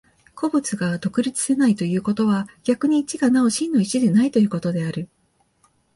個物が独立せないということは、逆に一がなお真の一でないということである。